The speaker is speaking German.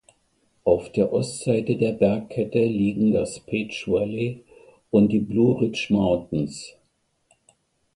Auf der Ostseite der Bergkette liegen das Page Valley und die Blue Ridge Mountains.